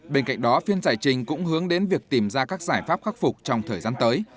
bên cạnh đó phiên giải trình cũng hướng đến việc tìm ra các giải pháp khắc phục trong thời gian tới